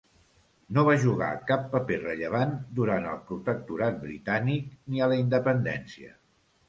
No va jugar cap paper rellevant durant el protectorat britànic ni a la independència.